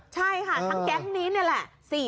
ใช่ค่ะทั้งแก๊งนี้นี่แหละ